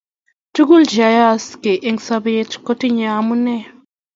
tukul cheyayaksei eng sabet kotinyei amune